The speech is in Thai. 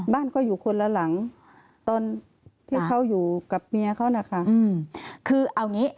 บ้านก็อยู่คนละหลังตอนที่เขาอยู่กับเมียเขานะคะคือเอางี้